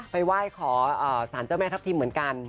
ไหว้ขอสารเจ้าแม่ทัพทิมเหมือนกัน